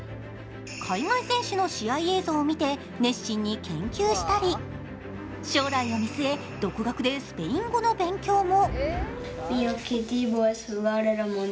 海外選手の試合映像を見て熱心に研究したり、将来を見据え、独学でスペイン語の勉強も。